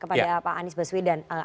kepada pak anies baswedan